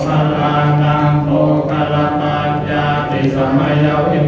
สุดท้ายเท่าไหร่สุดท้ายเท่าไหร่